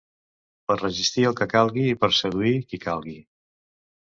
Per resistir el que calgui i per seduir qui calgui.